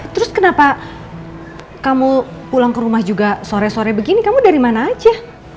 terus kenapa kamu pulang ke rumah juga sore sore begini kamu dari mana aja